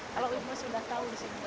kalau ibu sudah tau disini